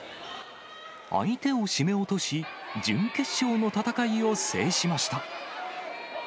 相手を締め落とし、準決勝の戦いを制しました。